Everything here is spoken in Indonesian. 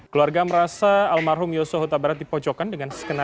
keluarga merasa almarhum yosua huta barat dipocokkan dengan skenario